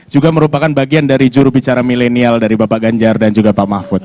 juga merupakan bagian dari jurubicara milenial dari bapak ganjar dan juga pak mahfud